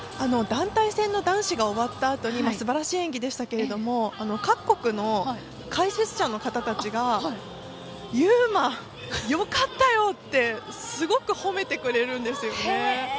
団体戦の男子が終わったあとにすばらしい演技でしたけれども各国の解説者の方たちがユウマよかったよとすごく褒めてくれるんですよ。